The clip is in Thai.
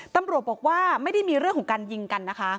ตำรวจบอกว่าไม่ได้มีเรื่องของการยิงกันนะคะ